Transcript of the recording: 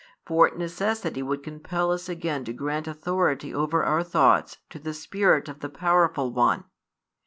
For necessity would compel us again to grant authority over our thoughts to the spirit |201 of the powerful one.